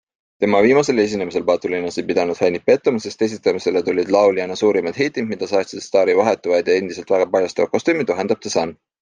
Tema viimasel esinemisel patulinnas ei pidanud fännid pettuma, sest esitamisele tulid lauljanna suurimad hitid, mida saatsid staari vahetuvad ja endiselt väga paljastavad kostüümid, vahendab The Sun.